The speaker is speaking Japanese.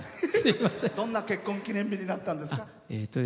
どんな結婚記念日になったんですか？